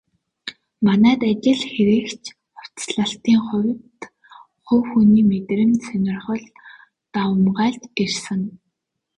Манайд ажил хэрэгч хувцаслалтын хувьд хувь хүний мэдрэмж, сонирхол давамгайлж ирсэн.